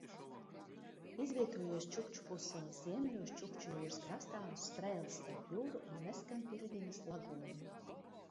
Izvietojies Čukču pussalas ziemeļos Čukču jūras krastā uz strēles starp jūru un Neskenpiļginas lagūnu.